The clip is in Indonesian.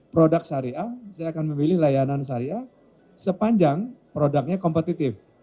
produk syariah saya akan memilih layanan syariah sepanjang produknya kompetitif